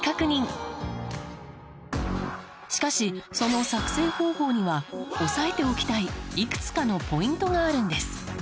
しかしその作戦方法には押さえておきたいいくつかのポイントがあるんです。